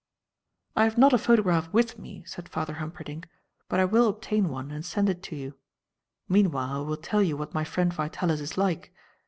"I have not a photograph with me," said Father Humperdinck, "but I will obtain one and send it to you. Meanwhile I will tell you what my friend Vitalis is like.